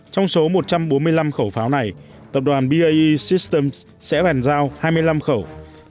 trong số một trăm bốn mươi năm khẩu pháo này tập đoàn bae systems sẽ bàn giao hai mươi năm khẩu